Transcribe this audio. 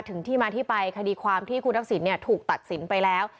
ที่มาที่ไปคดีความที่คุณทักษิณถูกตัดสินไปแล้ว